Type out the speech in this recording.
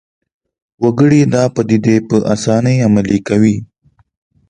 وګړي دا پدیدې په اسانۍ عملي کوي